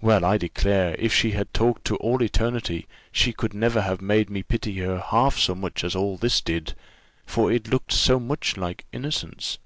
Well, I declare, if she had talked to all eternity, she could never have made me pity her half so much as all this did, for it looked so much like innocence.